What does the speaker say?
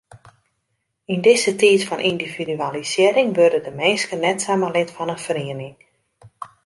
Yn dizze tiid fan yndividualisearring wurde de minsken net samar lid fan in feriening.